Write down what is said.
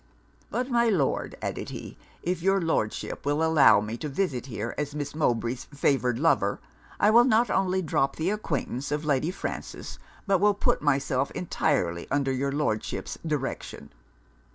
'But my Lord,' added he, 'if your Lordship will allow me to visit here as Miss Mowbray's favoured lover, I will not only drop the acquaintance of Lady Frances, but will put myself entirely under your Lordship's direction.'